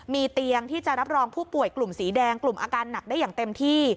มีเตียงที่จะรับรองผู้ป่วยกลุ่มสีแดงกลุ่มอาการหนักได้อย่างเต็มที่